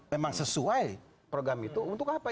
memang sesuai program itu untuk apa